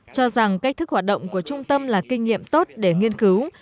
cho rằng cách thức hoạt động của trung tâm là kinh nghiệm tốt để nghiên cứu